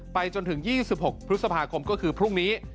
จนถึง๒๖พฤษภาคมก็คือพรุ่งนี้